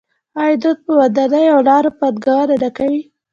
آیا دوی په ودانیو او لارو پانګونه نه کوي؟